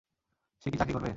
সে কী চাকরি করবে?